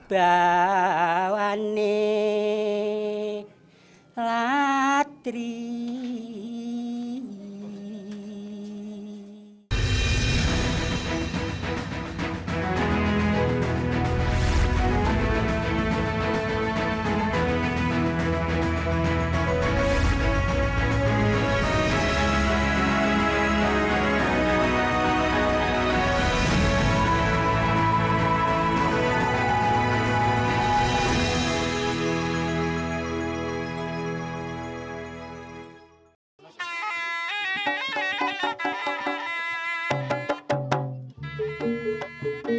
kulasu mungkem sucut narsopu kulun